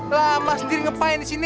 lah belas diri ngapain disini